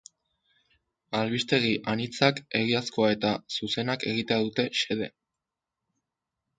Albistegi anitzak, egiazkoa eta zuzenak egitea dute xede.